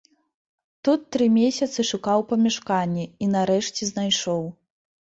Тут тры месяцы шукаў памяшканне і нарэшце знайшоў.